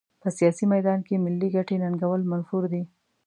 په سیاسي میدان کې ملي ګټې ننګول منفور دي.